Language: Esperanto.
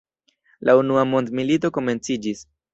La Unua mondmilito komenciĝis.